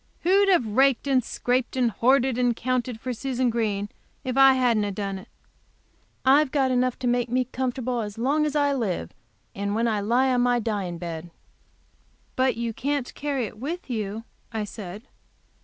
"Who'd have raked and scraped and hoarded and counted for Susan Green if I hadn't ha' done it? I've got enough to make me comfortable as long as I live, and when I lie on my dying bed." "But you can't carry it with you," I said.